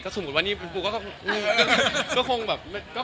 ก็สมมุติว่าวันนี้ก็คงแบบ